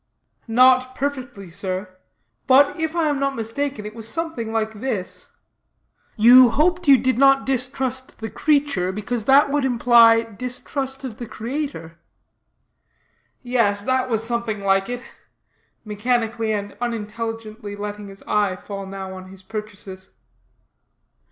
"Not perfectly, sir; but, if I am not mistaken, it was something like this: you hoped you did not distrust the creature; for that would imply distrust of the Creator." "Yes, that was something like it," mechanically and unintelligently letting his eye fall now on his purchases.